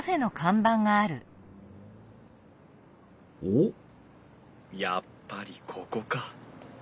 おっやっぱりここか。